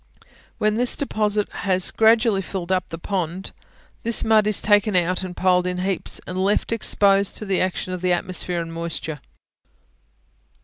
When this deposit has gradually filled up the pond, this mud is taken out and piled in heaps, and left exposed to the action of the atmosphere and moisture.